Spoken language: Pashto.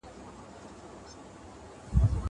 زه به اوږده موده ښوونځی ته تللی وم.